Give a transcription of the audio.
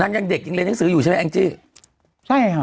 นางยังเด็กจริงเลยนางศืออยู่ใช่ไหมแอ้งจี่ใช่หรอ